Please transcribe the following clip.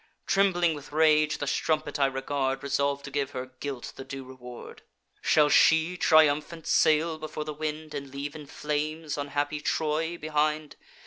Trembling with rage, the strumpet I regard, Resolv'd to give her guilt the due reward: 'Shall she triumphant sail before the wind, And leave in flames unhappy Troy behind?